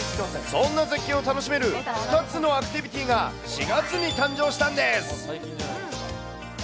そんな絶景を楽しめる２つのアクティビティーが、４月に誕生したんです。